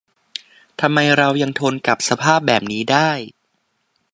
ทำไมเรายังทนกับสภาพแบบนี้ได้ ?